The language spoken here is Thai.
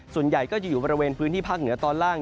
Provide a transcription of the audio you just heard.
ส่วนใหญ่ก็จะอยู่บริเวณพื้นที่ภาคเหนือตอนล่าง